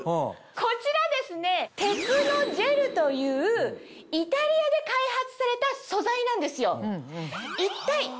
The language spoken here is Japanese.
こちらテクノジェルというイタリアで開発された素材なんですよ。